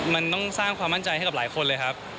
มันต้องสร้างความมั่นใจให้กับหลายคนเลยครับ